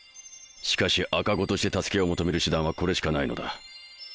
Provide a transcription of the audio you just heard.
しかし赤子として助けを求める手段はこれしかないのだ。